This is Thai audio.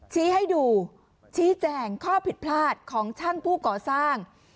ชี้ให้ดูชี้แจงข้อผิดพลาดของช่างผู้ก่อสร้าง